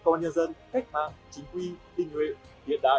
công an nhân dân khách mạng chính quyền tinh nguyện hiện đại